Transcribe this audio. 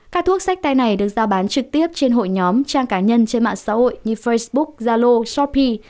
các thuốc sách tay này được giao bán trực tiếp trên hội nhóm trang cá nhân trên mạng xã hội như facebook zalo shopee